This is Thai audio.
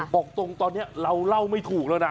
บอกตรงตอนนี้เราเล่าไม่ถูกแล้วนะ